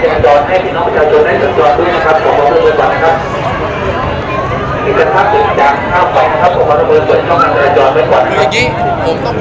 มุมการก็แจ้งแล้วเข้ากลับมานะครับ